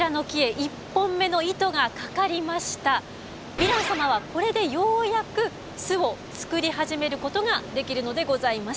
ヴィラン様はこれでようやく巣をつくり始めることができるのでございます。